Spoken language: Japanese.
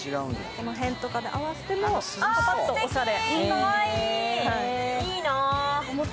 この辺とかで合わせてもおしゃれ。